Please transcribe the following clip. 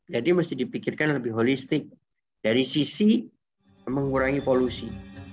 jadi mesti dipikirkan lebih holistik dari sisi mengurangi polusi